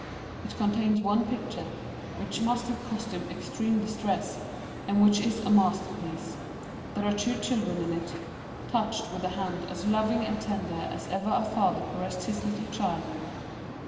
It contains one picture which must have cost him extreme distress, and which is a masterpiece. There are two children in it, touched with a hand as loving and tender as ever a father caressed his little child with.